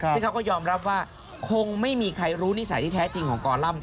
ซึ่งเขาก็ยอมรับว่าคงไม่มีใครรู้นิสัยที่แท้จริงของกรัมป